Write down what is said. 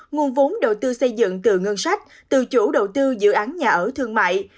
nguồn vốn đầu tư xây dựng từ ngân sách từ chủ đầu tư dự án nhà ở thương mại